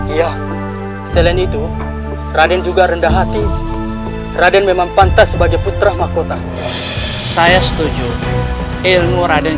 iya selain itu raden juga rendah hati raden memang pantas sebagai putra mahkota saya setuju ilmu raden